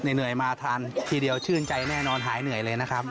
เหนื่อยมาทานทีเดียวชื่นใจแน่นอนหายเหนื่อยเลยนะครับ